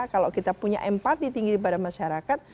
kalau kita punya empati tinggi pada masyarakat